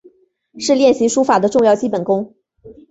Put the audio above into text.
是练习书法的重要基本功。